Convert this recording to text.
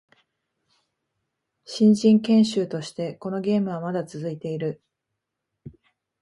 新人研修としてこのゲームはまだ続いている